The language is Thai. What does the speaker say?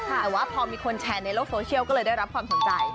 แต่ว่าพอมีคนแชร์ในโลกโซเชียลก็เลยได้รับความสนใจ